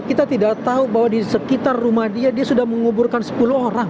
kita tidak tahu bahwa di sekitar rumah dia dia sudah menguburkan sepuluh orang